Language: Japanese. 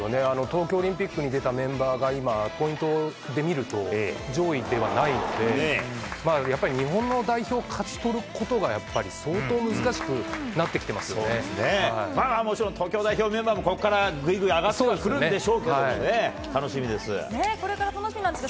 東京オリンピックに出たメンバーが今、ポイントで見ると、上位ではないので、やっぱり日本の代表を勝ち取ることが、やっぱり相当難しくなってまあ、もちろん東京代表メンバーも、ここからぐいぐい上がってくるんでしょうけどね、楽しみです。